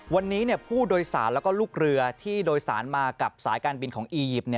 วันนี้ผู้โดยสารแล้วก็ลูกเรือที่โดยสารมากับสายการบินของอียิปต์